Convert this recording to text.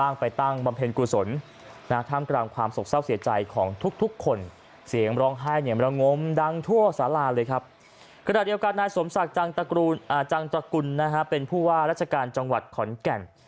นักปราชนาสมศักดิ์จังตรกุณเป็นผู้ว่าราชการจังหวัดของขอนแก่น